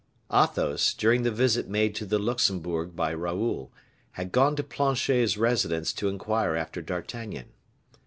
Athos, during the visit made to the Luxembourg by Raoul, had gone to Planchet's residence to inquire after D'Artagnan.